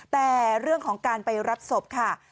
แต่เรื่องของการไปรับศพค่ะ